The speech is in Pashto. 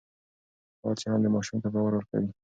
فعال چلند ماشوم ته باور ورکوي.